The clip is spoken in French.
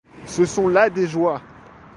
Ce sont là les joies.